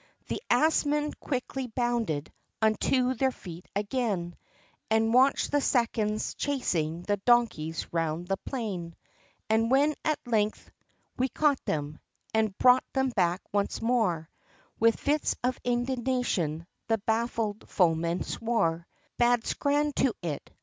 The assmen, quickly bounded unto their feet again, And watched the seconds, chasing the donkeys round the plain; And when at length, we caught them, and brought them back once more, With fits of indignation, the baffled foemen swore; "Bad scran to it!"